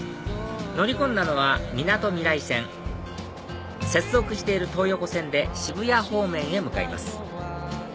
乗り込んだのはみなとみらい線接続している東横線で渋谷方面へ向かいます